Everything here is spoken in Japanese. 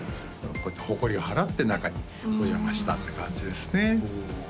こうやってほこりを払って中にお邪魔したって感じですね